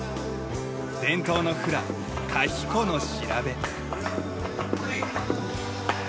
伝統のフラ「カヒコ」の調べ。